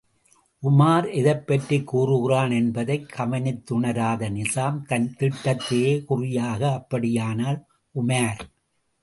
உமார் எதைப்பற்றிக் கூறுகிறான் என்பதைக் கவனித்துணராத நிசாம், தன் திட்டத்திலேயே குறியாக, அப்படியானால், உமார்!